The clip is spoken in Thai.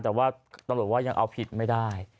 แต่ว่าตำรวจว่ายังเอาผิดไม่ได้